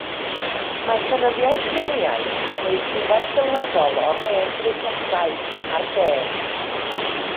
Mae llenyddiaeth tsieineaidd yn cynnwys nifer sylweddol o'r hen draethodau ar de.